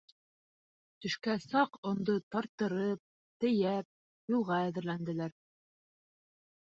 Төшкә саҡ ондо тарттырып, тейәп, юлға әҙерләнделәр.